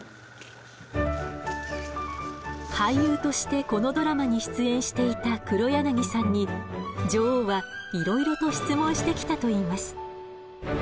俳優としてこのドラマに出演していた黒柳さんに女王はいろいろと質問してきたといいます。